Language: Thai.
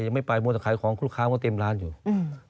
ยังไม่ไปบวนสาขายของคุณค้าผมก็เต็มร้านอยู่อืม